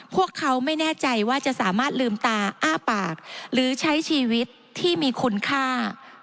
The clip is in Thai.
พวกเขาไม่แน่ใจว่าจะสามารถลืมตาอ้าปากหรือใช้ชีวิตที่มีคุณค่า